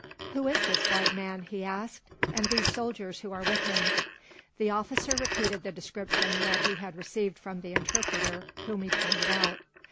"Who is this white man," he asked, "and these soldiers who are with him?" The officer repeated the description that he had received from the interpreter, whom he pointed out.